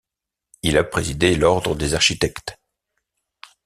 Il a présidé l'ordre des architectes.